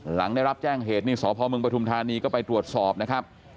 หลังได้รับแจ้งเหตุนี่สพมปฐุมธานีก็ไปตรวจสอบนะครับ